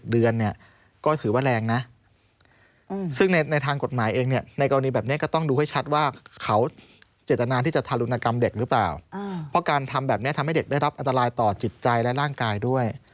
เด็กหรือเปล่าอ่าเพราะการทำแบบเนี้ยทำให้เด็กได้รับอัตรายต่อจิตใจและร่างกายด้วย